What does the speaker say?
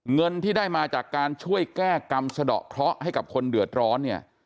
เงินที่ได้มาจากการช่วยแก้กรรมสะดอกเคราะห์ให้กับคนเดือดร้อนเนี่ย